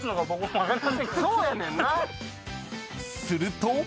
［すると］